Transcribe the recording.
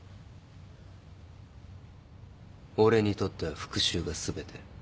俺にとっては復讐が全て。